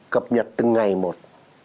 cập nhật từng ngày một